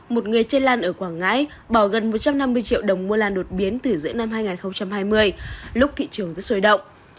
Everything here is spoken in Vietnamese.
một người chê lan ở quảng ngãi bỏ gần một trăm năm mươi triệu đồng mua lan đột biến từ giữa năm hai nghìn hai mươi lúc thị trường rất sôi động